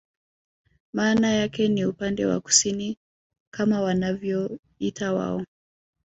Maana yake ni upande wa kusini kama wanavyoita wao